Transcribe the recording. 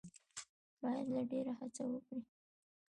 باید لا ډېره هڅه وکړي.